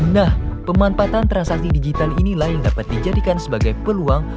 nah pemanfaatan transaksi digital inilah yang dapat dijadikan sebagai peluang